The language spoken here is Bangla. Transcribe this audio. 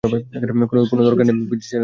কোনো দরকার নেই, প্লিজ ছেড়ে দাও।